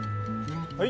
はい？